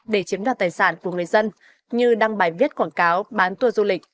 để chiếm đoạt tài sản của người dân như đăng bài viết quảng cáo bán tour du lịch